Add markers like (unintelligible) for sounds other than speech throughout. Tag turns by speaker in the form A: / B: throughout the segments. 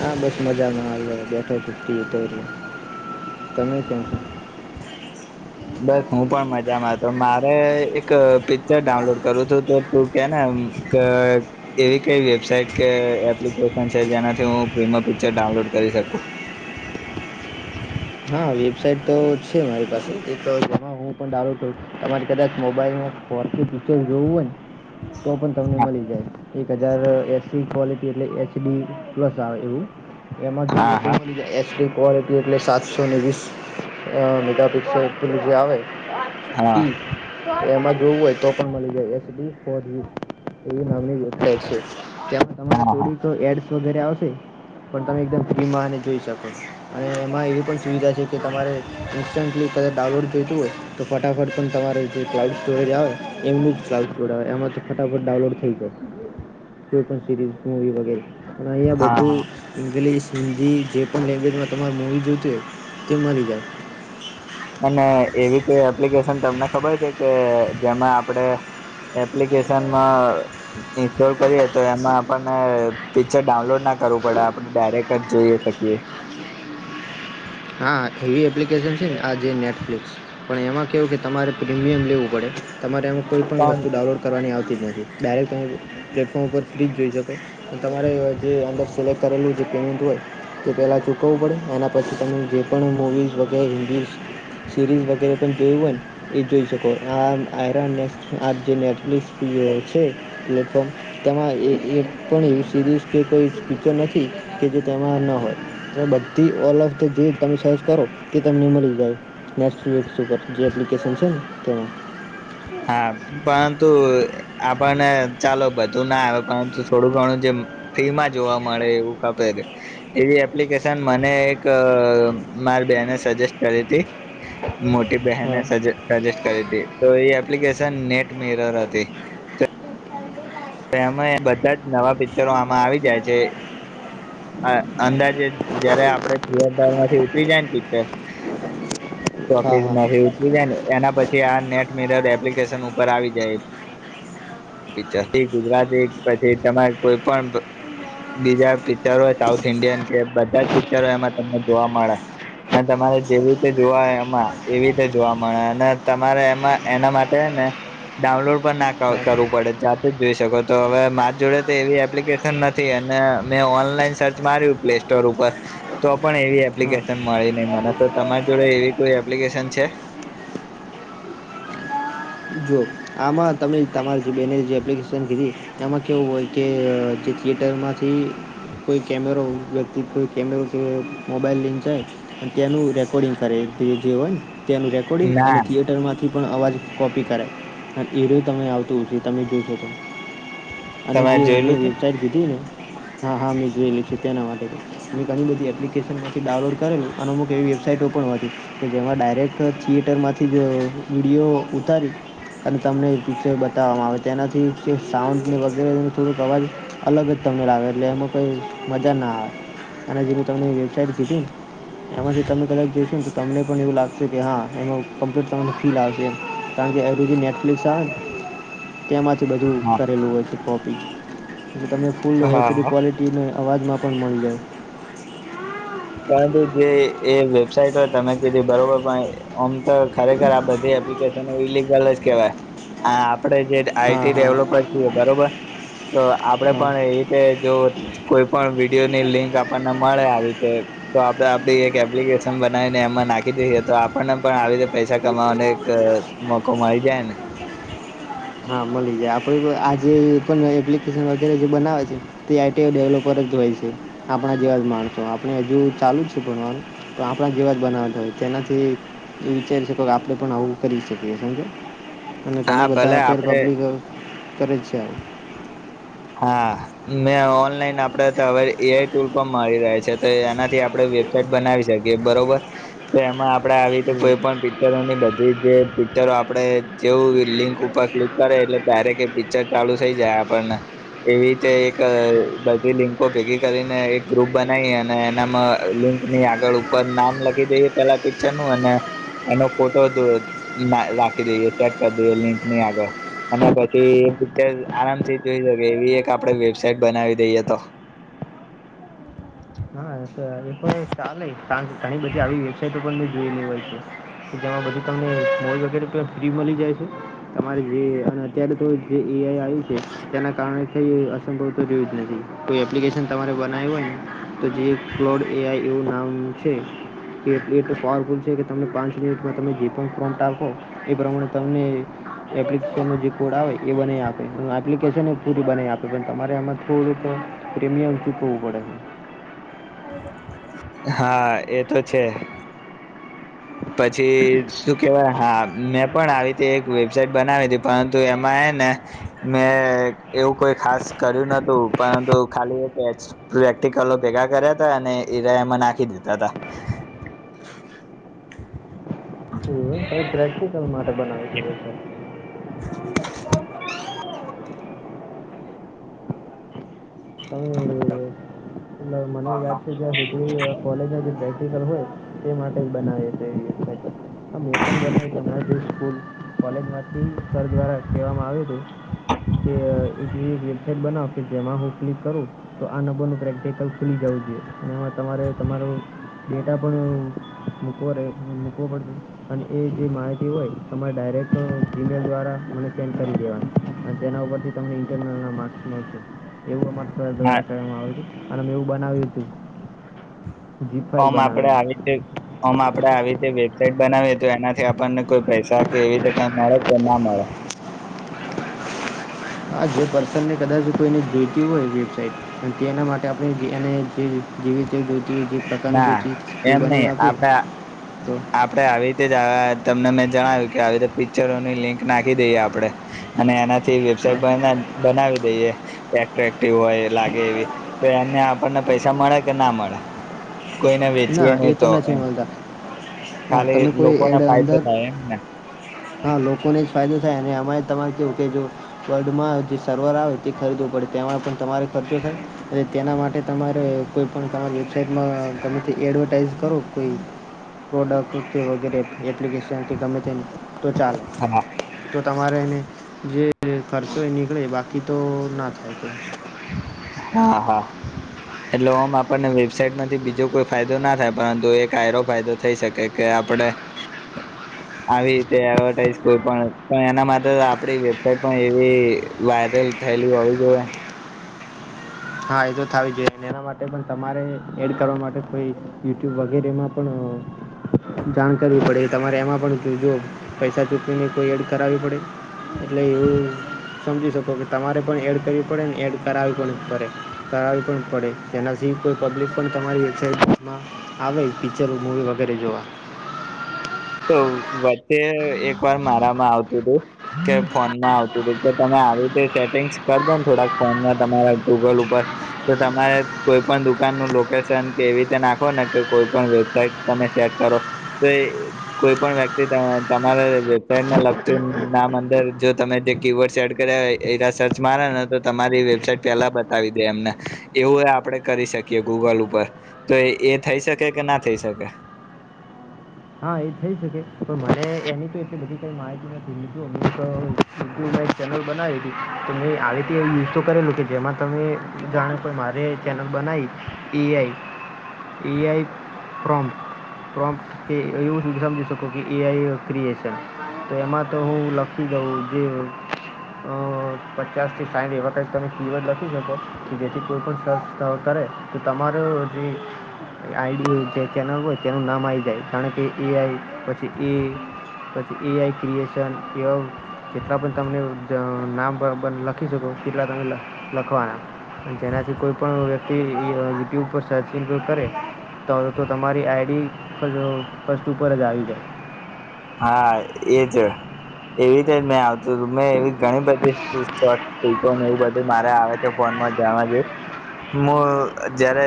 A: હા બસ મજામાં અવે બેઠો છુ (unintelligible) તમે કેમ છો?
B: બસ હું પણ મજામાં તો મારે એક પિક્ચર ડાઉનલોડ કરવુ તુ તો તું કે ને અમ ક એવી કઈ વેબસાાઈટ કે એપ્લિકેશન છે જેનાથી હું ફ્રીમાં પિક્ચર ડાઉનલોડ કરી શકું
A: હા વેબસાાઈટ તો છે મારી પાસે એક એમાં હું પણ ડાઉનલોડ કરું તમારે કદાચ મોબાઈલમાં ફોનથી પીચર જોવું હોય ન તો પન તમને
B: હા
A: મલી જાય એક જ જાર એસ સી ક્વલિટી એટલે એચ ડી પ્લસ આવે એવું એમાં
B: હા હા
A: જે (unintelligible) મલી જાય એસ વી ક્વલિટી એટલે સાસ સો ને વીસ અ મેગાપિક્સલ (unintelligible) જે આવે
B: હા
A: ઈ એમાંજ એવું હોય તો પન મલી જાય એસ ડી ફોર એવી નામની યોજાય છે. ત્યાં તમારે
B: હા હા
A: થોડી તો એડસ વગેરે આવ પન તમે એકદમ ફ્રીમાં જોઈ શકો છ અને એમાં એવી પણ સુવિધા છે કે તમારે ઇન્સ્ટન્ટલી કદચ ડાઉનલોડ જોઈતું હોય તો ફટાફટ પણ તમારે જે ક્લાઉડ સ્ટોરેજ આવે એમનું જ ક્લાઉડ સ્ટોરેજ આવે એમાં તો ફટાફટ ડાઉનલોડ થઈ જાય કોઈ પણ સિરીઝ મુવી વગેરે અને અઈયાં
B: હા હા
A: બધું ઇંગ્લિશ હિન્દી જે પણ લેંગ્વેજમાં તમારે મૂવી જોઈતી હોય કે મલી જાય
B: અને એવી કોઈ એપ્લિકેશન તમને ખબર છે કે જેમાં આપડે એપ્લિકેશનમાં ઇન્સ્ટોલ કરીએ તો એમાં આપણને પિક્ચર ડાઉનલોડ ના કરવું પડે આપણે ડાયરેક્ટ જ જોઈએ શકીએ
A: હા એવી એપ્લિકેશન છે ને આ જે નેટફ્લિક્સ પણ એમાં કેવું કે તમારે પ્રીમિયમ લેવું પડે તમારે એમ કોઈ પણણ
B: પણ
A: વસ્તુ ડાઉનલોડ કરવાની આવશે. થતી નથી ડાયરેક્ટ તમામે પ્લેટફોર્મ ઉપર ફ્રી જ જોઈ શકોાય અને તમારે જે અંદર સિલેક્ટ કરેલું જે પેમેન્ટ હોય તે પહેલાં ચૂકવવું પડે એના પછી તમે જે પણ મૂવીઝ વગેરે હિીસ સિરીઝ વગેરે પણ જોયું હોય ને એ જોઈ શકો આ આયરાન ને આ જે નેટફ્લિક્સ છે પ્લેટફોર્મ તેમાં એ એ પણ એવી સિરીઝ કે કોઈ ફીચર નથી કે જે તેમાં ન હોય બધી ઓલ ઓફ તો જે તમે સર્ચ કરો તે તમને મળી જાય નેચક્સ ઉપર જે એપ્લિકેશન છે ને તેમાં.
B: હા પણ તું આપણને ચાલો બધું ના આવે પરંતુ થોડું ઘણું જે ફી માં જોવા મળે એવું ખે એવી એપ્લિકેશન મને એક મારી બેને સજેસ્ટ કરી હતી. મોટી બહેને
A: હા હા
B: સજ સજેસ્ટ કરી હતી તો એ એપ્લિકેશન નેટ મેર હતી. એમાં બધા જ નવા પિક્ચરો આમાં આવી જાય છે. અંદાજે જયારે આપડે થિયેટરમાં થી ઉતરી જાયને પિક્ચર
A: હા
B: ટોકીસ
A: હા હા
B: માંથી ઉતરી જાય ને એના પછી આ નેટ મિર એપ્લિકેશન ઉપર આવી જાય પિક્ચર. ગુજરાતી પછી તમારે કોઈ પણ બીજા પિક્ચરો સાઉથ ઇન્ડિયન કે બધા જ પિક્ચરો એમાં તમને જોવા મળે. અને તમારે જેવી રીતે જોવા એમાં એવી રીતે જોવા મળે અને તમારે એમાં એના માટે ને ડાઉનલોડ પણ ના કરવું પડે. જોઈ શકો. તો હવે મારી જોડે તો એવી એપ્લિકેશન નથી અને મેં ઓનલાઈન સર્ચ માર્યું પ્લે સ્ટોર ઉપર તો પણ એવી એપ્લિકેશન મળી નહી. મને તો તમારી જોડે એવી કોઈ એપ્લિકેશન છે?
A: જો આમાં તમે તમારી જે બેને જે એપ્લિકેશન કીધી એમાં કેવું હોય કે, જે થિયેટરમાંથી કોઈ કેમેરો વ્યક્તિ કો કેમેરો કે મોબાઈલ લિંક થાય અને તેનું રેકોર્ડિંગ કરે જે હોય ને. ત્યાનું રેકોર્ડિંગ
B: ના
A: અને થિયેટરમાંથી થી પણ અવાજ કોપી કરે. રો તમે આવતું તમે જોશો તો. અને
B: તમે
A: જે અમે
B: જોયેલું છે
A: વેબસાાઈટ કીધી ને હા હા મેં જોયેલ છે તેના માટે મેં ઘણી બધી એપ્લિકેશનમાંથી ડાઉનલોડ કરેલું અને અમુક એવી વેબસાઈટો પણ હતી કે જેમાં ડાયરેક્ટ થિયેટરમાંથી જ વિડીયો ઉતારી અને તમને (unintelligible) છે બતાવવામાં આવે તેનાથી જે સાઉન્ડ વગેરેનો થોડોક અવાજ અલગ જ તમને લાગે એટલે એમાં કંઈ મજા ના આવે અને જે હું તમને વેબસાઇટ કીધી ને એમાંથી તમે કદાચ જોશો ને તો તમને પણ એવું લાગશે કે હા એમાં કમ્પ્યુટ તમને ફીલ આવશે એમ કારણ કે એ (unintelligible) એટલી સાર તેમાંથી બધું
B: હા
A: કરેલું હોય છે પોપ. (inaudible) જો તમે ફૂલ
B: હા હા
A: એચડી ક્વલિટીનો અવાજમાં પણ મળી જાય.
B: પરંતુ જે એ વેબસાાઈટ હોય તમે કીધી બરોબર પણ આમ તો ખરેખર આ બધી એપ્લિકેશનો ઈલિગલ જ કેહેવાય આ આપણે જે
A: હા
B: આઈટી ડેવલોપર છીએ
A: હા
B: બરોબર તો આપડે
A: હા
B: પણ એ રીતે જો કોઈ પણ વિડીયોની લિંક આપણને મળે આવી રીતે. તો આપડે આપડી એક એપ્લિકેશન બનાવીને એમાં નાખી દઈએ તો આપણને પણ આવી રીતે પૈસા કમાવાનો એક મોકો મળી જાય ને.
A: હા મલી જાય આપ આજે પણ એપ્લિકેશન વગેરે જે બનાવે છે તે આઈટી ડેવલપર જ હોય છે. આપણા જેવા જ માણસો આપણે હજુ ચાલુ જ છે ભનવાનું તો આપણા જેવા જ બનાવવાતા હોય તેનાથી વિચારી શકો કે આપણે પણ આવું કરી શકીએ સમજો. અને
B: હા
A: ઘણા
B: ભલે
A: બધા
B: આપડે
A: પબ્લિક (unintelligible) કરે છે.
B: હા મે ઓનલાઈન આપડે હવે એઆઈ ટુલ પણ મળી રહે છે. તો એનાથી આપડે વેબસાાઈટ બનાવી શકીએ બરોબર તો એમાં આપડે આવી તો
A: હમ
B: કોઈ પણ પિક્ચરોની બધી એ જે પિક્ચરો આપડે જેવું લિંક ઉપર ક્લિક કરે એટલે ડાયરેક્ટ એ પિક્ચર ચાલુ થઇ જાય આપણને એવી રીતે એક
A: હમ
B: બધી લિંકો ભેગી કરીને એક ગ્રુપ બનાઈ અને એનામાં લિંક ની આગળ ઉપર નામ લખી દઈએ પેલા પિક્ચર નું અને એનો ફોટો રાખી દઈએ સેટ કરી દઈએ લિંકની આગળ અને પછી એ પિક્ચર આરામથી જોઈ એવી એક આપડે વેબસાઇટ બનાવી દઈ તો.
A: હા તો એ પણ ચાલે કારણ કે ઘણી બધી આવી વેબસાાઈટ પણ મેં જોઈલી હોય છે જેમાં બધું તમને સ્મોલ વગેરે ફ્રી મળી જાય છે તમારે જે અને અત્યારે તો જે એઆઈ આવ છે તેના કારણે કઈ અસંભવ તો જોવ જ નથી કોઈ એપ્લિકેશન તમારે બનાવ્યું હોય ને તો જે ક્લોડ એઆઈ એવું નામ છે કે એ પાવરફુલ છે કે તમને પાંચ મિનિટમાં તમે જે પણ ફોન્ટ આપો એ પ્રમાણે તમને એપ્લિકેશનનો જે કોડ આવે એ બનાવી આપે એપ્લિકેશન એ પૂરી બનાવી આપે પણ તમારે આમાં થોડુંક પ્રીમિયમ ચૂકવવું પડે છે.
B: હા એ તો છે. પછી શું કેવાય? હા મેં પણ આવી રીતે એક વેબસાાઈટ બનાવી હતી પરંતુ એમાં એ ને મેં એવું કોઈ ખાસ કર્યું નતું પરંતુ ખાલી પ્રેક્ટિકલો ભેગા કર્યા હતા અને એરા એમાં નાખી દીધા હતા.
A: પ્રેક્ટિકલ માટે બનાવી દીધો છે.
B: (inaudible)
A: (inaudible) મને યાદ છે ત્યાં સુધી કોલેજ (inaudible) પ્રેક્ટિકલ હોય તે માટે જ બનાવી છે એવી વેબસાઇટો આમ એ પણ બનાવી છે જે સ્કૂલ કોલેજમાંથી સર દ્વારા કહેવામાં આવ્યું હતું કે એક એવી વેબસાઇટ બનાવ કે જેમાં હું ક્લિક કરું તો આ નંબરનું પ્રેક્ટિકલ ખુલી જવું જોઈએ અને એમાં તમારે તમારું ડેટા પણ મૂકવો રહે મૂકવો પડતો અને એ જે માહિતી હોય તમારે ડાયરેક્ટ જીમેલ દ્વારા મને સેન્ડ કરી દેવાની અને તેના ઉપરથી તમને ઇન્ટરનલના માર્ક્સ મળશે એવું.
B: હા
A: દ્વારા કહેવામાં આવે છે. અને મેં એવું બનાવ્યું હતું. જીપ ફાઇલ
B: આમ આપડે
A: બનાવીને
B: આવી તે આમ આપડે આવીતે સેટ બનાવીએ તો એનાથી આપણને કોઈ પૈસા કે એવી રીતે કઈ મળે કે ના મળે?
A: આ જે પર્સનને કદાચ કોઈને જોઈતી હોય વેબસાઇટ તેના માટે આપણે એને જેવી રીતે જો
B: ના એમ નય આપડ
A: તો
B: આપડે આવી રીતે જ તમને મેં જણાવ્યું કે આવી તો પિક્ચરોની લિંક નાખી દઈએ આપડે અને એના થી
A: હા
B: વેબસાઇટ બના બનાવી એ એટ્રેક્ટિવ હોય લાગે એવી તો એને આપણને પૈસા મળે કે ના મળે? કોઈને
A: ના
B: વેચીએ
A: એ
B: નહી તો
A: નથી
B: એમ.
A: મળતા હા
B: ખાલી
A: તમે કોઈ
B: લોકોને
A: એડ
B: ફાયદો
A: અંદર
B: થાય એમને.
A: હા લોકોને જ ફાયદો થાય અને અમારે તમારે કેવું કે જો વર્લ્ડમાં જે સર્વર આવે તે ખરીદવો પડે તેમાં પણ તમારે ખર્ચો થાય અને તેના માટે તમારે કોઈ પણ તમારી વેબસાઇટમાં કમે તે એડવર્ટાઈઇઝ કરો કોઈ પ્રોડક્ટ કે વગેરે એપ્લિકેશન કે ગમે તે. તો ચાલ
B: હા
A: તો. તમારે એને જે ખર્ચો એ નીકળે બાકી તો ના થાય કો.
B: હા હા. એટલે ઓમ આપણને વેબસાાઈટ માંથી બીજો કોઈ ફાયદો ના થાય પરંતુ એક આરો ફાયદો થઈ શકે કે આપડ આવી રીતે એડવર્ટાઈઝ કોઈ પણ પણ એના માટે આપડી વેબસાઇટ પણ એવી વાયરલ થયેલી હોવી જોઈએ
A: હા એ તો થવી જોઈએ એના માટે પણ તમારે એડ કરવા માટે કોઈ યુટ્યુબ વગેરેમાં પણ. જાણકારી પડે. તમારે એમાં પણ જો પૈસા ચૂવીને કોઈ એડ કરાવવી પડે એટલે એવું સમજી શકો કે તમારે પણ એડ કરવી પડે ને એડ કરાવવી પણ કરરે. તા આવી પણ પડે. તેનાથી કોઈ પબ્લિક પણ તમારી એક્સાઇટમેન્ટમાં આવે પિક્ચરો મૂવી વગેરે જોવા.
B: તો વચ્ચે એક વાર મારામાં આવતું હતું કે ફોનમાં આવતું હતું કે તમે આવી રીતે સેટિંગ્સ કર દો ને થોડાક ફોનમાં તમારા ગૂગલ ઉપર તો તમારે કોઈ પણ દુકાન નું લોકેશન કે એવી રીતે નાખો ને કે કોઈ પણ વેબસાઇટ તમે સેટ કરો તો. કોઈ પણ વ્યક્તિ તમારે વેબસાાઈટને લગતું નામ અંદર જો તમે જે કીવોર્ડ સેડ કર્યા એ સર્ચ મારે ને તો તમારી વેબસાાઈટ પેલા બતાવી દે એમને એવું આપડણે કરી શકીએ ગૂગલ ઉપર તો એ થઈ શકે કે ના થઈ શકે.
A: હા એ થઈ શકે પણ મને એની તો એટલી બધી કઈ માહિતી નથીીું અક યુ ચેનલ બનાવી હતી તો મેં આવી એવ યુઝ તો કરેલું કે જેમાં તમે જાણો મારે ચેનલ બનાવી એઆઈ એઆઈ પ્રોમ્પ પ્રોમ્પ કે એવું સુધી સમજી શકો કે એઆઈ ક્રિએશન તો એમાં તો હું લખી દઉં જે પચાસથી સાઠ એવા ક જ તમે કીવર્ડ લખી શકો કે જેથી કોઈપણ સર્ચ કરે તો તમારો જે આઈડી જે ચેનલ હોય તેનું નામ આવી જાય. જાણે કે એ આઈ પછી એ પછી એઆઈ ક્રિએશન એવા જેટલા પણ તમને નામ લખી શકો કેટલા તમે લખવાના. તેનાથી કોઈ પણ વ્ય તે એ યુટ્યુબ પર સર્ચિંગ કરે તો તો તમારી આઈ ડી પર જો કસ્તુ પર જ આવી જાય
B: હા એજ, એવી તે જ મેં આવતું તુ મે એવી ઘણી બધી (unintelligible) એવું બધું મારે આવે છે ફોનમાં જાણવા જેવુ હું જયારે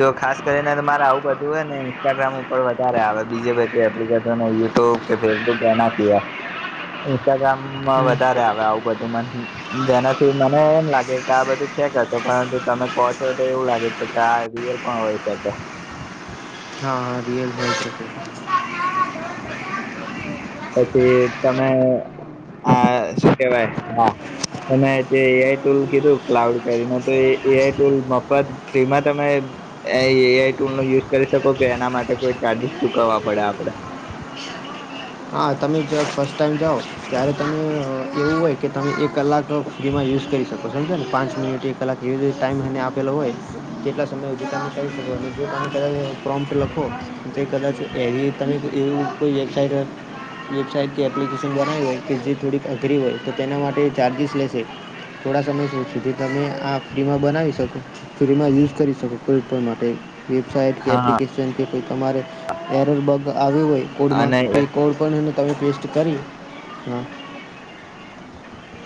B: જો ખાસ કરીને તો મારે આવું બધું હોય ને ઇન્સ્ટાગ્રામ ઉપર વધારે આવે બીજે બધી એપ્લિકેશનો યુટ્યુબ કે ફેસબુક એનાથી એમ ઇન્સ્ટાગ્રામમાં
A: જાય
B: વધારે આવે આવું બધું માંથી જેનાથી મને એમ લાગે કે આ બધું ફેક અશે પરંતુ તમે કો છો તો એવું લાગે કે આ રિયલ પણ હોય શકે
A: હા હા રીયલ પણ હોઈ શકે
B: પછી તમે આ શું કેવાય હા તમે જે એ આઈ ટૂલ કીધું ક્લાઉડ કરીને તો એ એ આઈ ટુલ મફત ફ્રીમાં તમે એ એ આઈ ટુલનો યુઝ કરી શકો કે એના માટે કોઈ ચાર્જિસ ચુકવવા પડે આપડે
A: હા તમે જ ફર્સ્ટ ટાઈમ જાઓ ત્યારે તમે એવું હોય કે તમે એક કલાક સુધીમાં યુઝ કરી શકો સમજો ને પાંચ મિનિટ એક કલાક એવી રી ટાઈમ એને આપેલો હોય તેટલા સમય સુધી તમે કરી શકો અને જે તમે કદાચ પ્રોમ્પ લખો જે કદાચ એવી તમે એવુ કોઈ વેબસાઇટ વેબસાઇટ કે એપ્લિકેશન બનાવી હોય કે જે થોડીક અઘરી હોય તો તેના માટે ચાર્જિસ લેશે થોડા સમય સુધી તમે આ ફ્રીમાં બનાવી શકો, ફ્રીમાં યુઝ કરી શકો કોઈ પણ માટે વેબસઇટ કે
B: હા
A: એપ્લિકેશન કે કે તમારે એરર બગ આવ્યુ હોય
B: અને
A: કોડમાં પે (unintelligible) પેસ્ટ કરી, હા.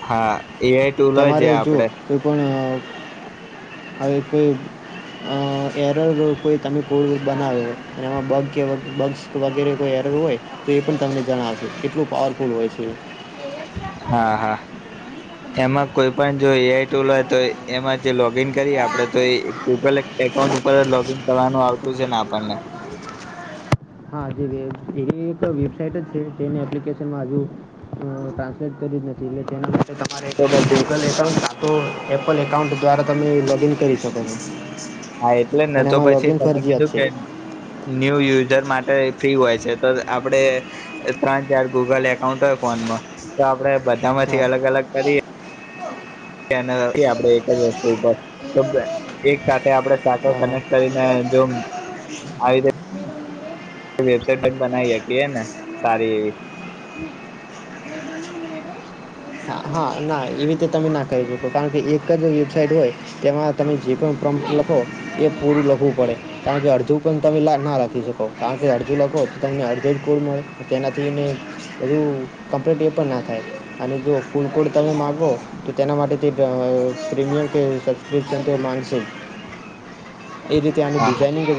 B: હા. એઆઈ ટુલ હોય
A: તમારે
B: જે
A: જો
B: આપડે
A: કોઈ પણ અહ હવે કોઈ અહ એરર કોઈ તમે કોઈ બનાવ્યો, ને એમાં બગ કે બગ્સ વગેરે કોઈ એરર હોય, તો એ પણ તમને જણાવશે, કેટલું પાવરફુલ હોય છે ઈ.
B: હા, હા. એમાં કોઈ પણ જો એ આઈ ટુલ હોય તો એમાં જે લોગીન કરી આપડે, તો ઈ ગૂગલ એક એકાઉન્ટ ઉપર જ લોગીન કરવાનું આવતું સે ને આપણને.
A: હા જે વેબ, એવી એક વેબસાઇટ જ છે, જેને એપ્લિકેશનમાં હજુ ટ્રાન્સલેટ કર્યું જ નથી, એટલે તેને એ તમારે
B: તો પછી
A: ગૂગલ એકાઉન્ટમાં તો એપલ એકાઉન્ટ દ્વારા તમે લોગ ઇન કરી શકો છો.
B: હા એટલે જ ને.
A: અને
B: તો
A: એમાં
B: પછી
A: લોગિન
B: તમે
A: ફરજિયાત
B: કીધું
A: છે
B: કે ન્યૂ યુઝર માટે ફ્રી હોય છે, તો આપણે એ ત્રણ ચાર ગૂગલ એકાઉન્ટ હોય ફોનમાં, તો આપડે બધા માંથી
A: હા
B: અલગ-અલગ કરીએ (unintelligible) આપણે એક જ વસ્તુ ઉપર (unintelligible) એક સાથે આપણે સાકર
A: હા હા
B: કનેક્ટ કરીને જો આવી વેબસાઈટ બનાઈ શકીએ કે હે ને સારી એવી.
A: હા હા, ના, એવી રીતે તમે ના કરી શકો કારણ કે એક જ વેબસાઇટ હોય તેમાં તમે જે પણ પ્રમોટ લખો એ પૂરું લખવું પડે, કારણ કે અડધું પણ તમે લા ના લખી શકો, કારણ કે અડધું લખો, તમને (unintelligible) મળે, તેનાથીને હજું કમ્પ્લીટ એ પણ ના થાય, અને જો ફૂલ કોડ તમે માંગો, તો તેના માટે તે પ પ્રીમિયમ કે સબસ્ક્રિપ્શન તે માંગશે. એજ રીતે આની
B: હા
A: ડિઝઇનિંગ